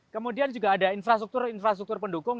kemudian juga ada infrastruktur infrastruktur pendukung